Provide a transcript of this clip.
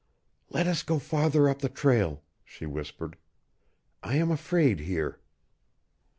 "Let us go farther up the trail," she whispered. "I am afraid here."